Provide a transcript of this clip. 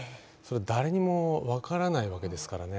誰にも分からないわけですからね。